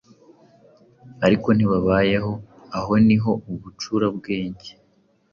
ariko ntibabayeho. Aho ni ho ubucurabwenge